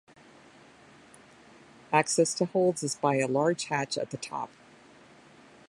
Access to holds is by a large hatch at the top.